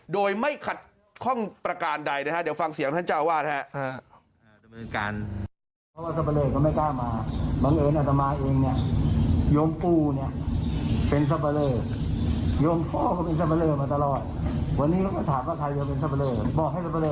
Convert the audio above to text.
โดยไม่ขัดข้องประการใดฟังเสียงท่านเจ้าว่านะครับ